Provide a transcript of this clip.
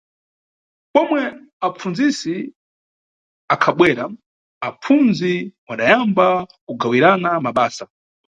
Pomwe mʼpfundzisi akhabwera, apfundzi wadayamba kugawirana mabasa.